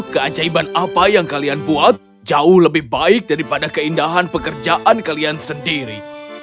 keajaiban apa yang kalian buat jauh lebih baik daripada keindahan pekerjaan kalian sendiri